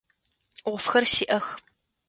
Ӏофхэр сиӏэх.